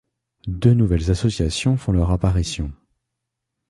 Deux nouvelles associations font leur apparition.